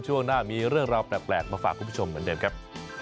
ช่วงหน้ามีเรื่องราวแปลกมาฝากคุณผู้ชมเหมือนเดิมครับ